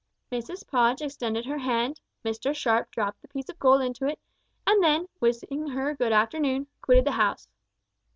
Mrs Podge extended her hand, Mr Sharp dropped the piece of gold into it, and then, wishing her good afternoon, quitted the house.